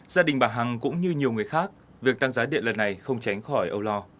gia đình bà hằng cũng như nhiều người khác việc tăng giá điện lần này không tránh khỏi âu lo